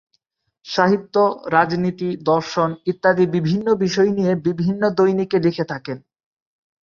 সাহিত্য, রাজনীতি, দর্শন ইত্যাদি বিভিন্ন বিষয় নিয়ে বিভিন্ন দৈনিকে লিখে থাকেন।